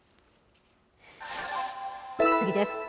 次です。